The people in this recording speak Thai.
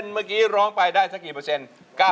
เมื่อกี้ร้องไปได้สักกี่เปอร์เซ็นต์